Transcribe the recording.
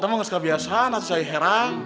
kamu gak suka biasa nanti saya herang